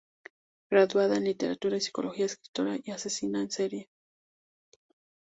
Graduada en literatura y psicología, escritora y asesina en serie.